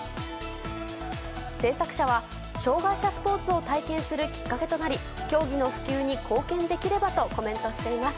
制作者は、障害者スポーツを体験するきっかけとなり競技の普及に貢献できればとコメントしています。